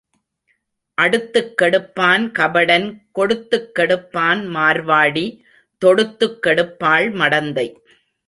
அடுத்துக் கெடுப்பான் கபடன் கொடுத்துக் கெடுப்பான் மார்வாடி தொடுத்துக் கெடுப்பாள் மடந்தை.